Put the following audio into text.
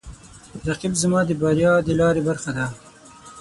رقیب زما د بریا د لارې برخه ده